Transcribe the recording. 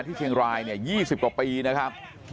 ที่เชียงรายเนี่ย๒๐กว่าปีนะครับ